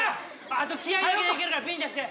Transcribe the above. あと気合いだけで行けるからビンタして。